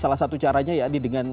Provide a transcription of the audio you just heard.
salah satu caranya ya adi dengan cara